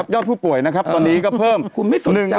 อดผู้ป่วยนะครับตอนนี้ก็เพิ่มภูมิ